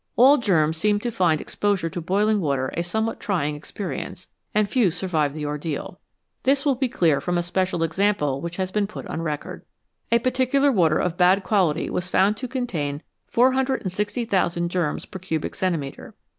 All germs seem to find exposure to boiling water a somewhat trying experience, and few survive the ordeal. This will be clear from a special example which has been put on record. A particular water of bad quality was found to contain 460,000 germs per cubic centimetre.